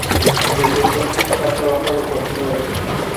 Desde entonces ha trabajado continuamente.